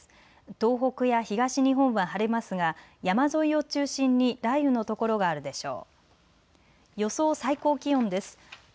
東北や東日本は晴れますが山沿いを中心に雷雨の所があるでしょう。